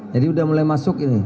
jadi sudah mulai masuk ini